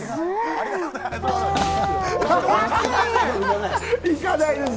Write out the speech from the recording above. ありがとうございます。